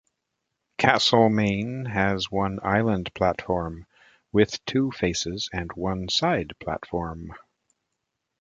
Castlemaine has one island platform, with two faces and one side platform.